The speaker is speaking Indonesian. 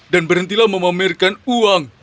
dan berhentilah memamerkan uang